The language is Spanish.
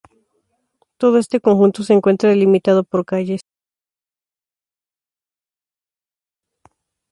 Todo este conjunto se encuentra delimitado por calles.